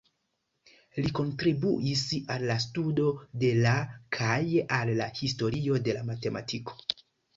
Li kontribuis al la studo de la kaj al la historio de matematiko.